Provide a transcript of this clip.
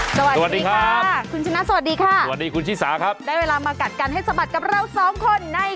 สวัสดีค่ะคุณชนะสวัสดีค่ะสวัสดีคุณชิสาครับได้เวลามากัดกันให้สะบัดกับเราสองคนใน